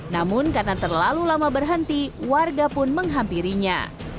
namun karena terlalu lama berhenti warga pun menghampirinya